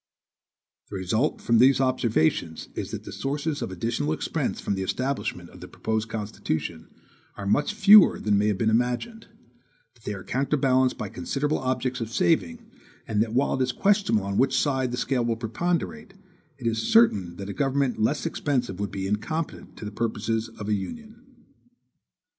The result from these observations is that the sources of additional expense from the establishment of the proposed Constitution are much fewer than may have been imagined; that they are counterbalanced by considerable objects of saving; and that while it is questionable on which side the scale will preponderate, it is certain that a government less expensive would be incompetent to the purposes of the Union.